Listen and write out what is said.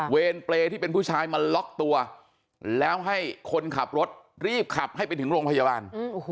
เปรย์ที่เป็นผู้ชายมาล็อกตัวแล้วให้คนขับรถรีบขับให้ไปถึงโรงพยาบาล